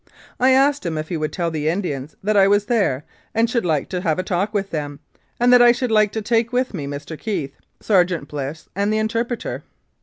I asked him if he would tell the Indians that I was there and should like to have a talk with them, and that I should like to take with me Mr. Keith, Ser geant Bliss, and the interpreter.